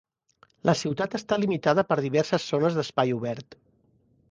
La ciutat està limitada per diverses zones d'espai obert.